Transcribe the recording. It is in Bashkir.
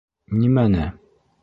— Нимәне?